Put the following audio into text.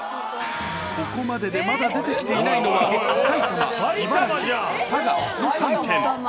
ここまででまだ出てきていないのは、埼玉、茨城、佐賀の３県。